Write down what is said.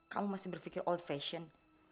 kamu masih berpikir old fashion